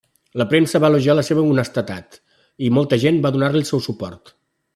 La premsa va elogiar la seva honestedat, i molta gent va donar-li el seu suport.